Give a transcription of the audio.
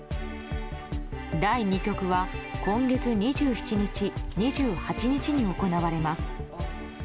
第２局は今月２７日、２８日に行われます。